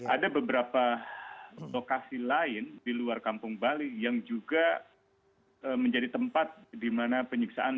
ada beberapa lokasi lain di luar kampung bali yang juga menjadi tempat di mana penyiksaan